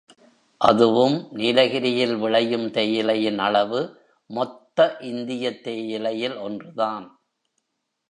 அதுவும் நீலகிரியில் விளையும் தேயிலையின் அளவு மொத்த இந்தியத் தேயிலையில் ஒன்று தான்.